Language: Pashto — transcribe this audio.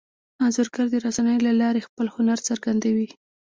انځورګر د رسنیو له لارې خپل هنر څرګندوي.